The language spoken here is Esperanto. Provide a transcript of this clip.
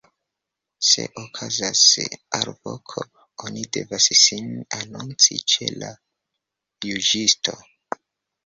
Se okazas alvoko, oni devas sin anonci ĉe la juĝisto.